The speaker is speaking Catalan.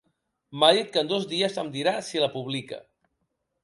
M'ha dit que en dos dies em dirà si la publica.